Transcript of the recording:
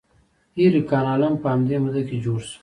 ایري کانال هم په همدې موده کې جوړ شو.